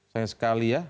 sayang sekali ya